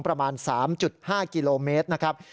ประมาณ๓๕กิโลเมตรนะครับ